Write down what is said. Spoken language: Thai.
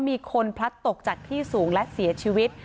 มีคนพลัดตกจากที่สูงและเสียชีวิต